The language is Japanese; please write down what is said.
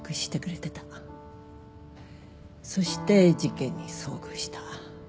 そして事件に遭遇した。